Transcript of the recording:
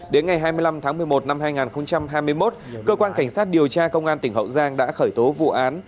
đến ngày hai mươi năm tháng một mươi một năm hai nghìn hai mươi một cơ quan cảnh sát điều tra công an tỉnh hậu giang đã khởi tố vụ án